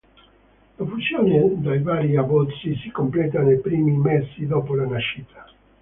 La fusione dei vari abbozzi si completa nei primi mesi dopo la nascita.